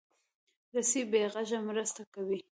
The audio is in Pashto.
رسۍ بې غږه مرسته کوي.